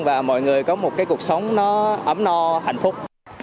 và mọi người có một cái cuộc sống nó ấm no hạnh phúc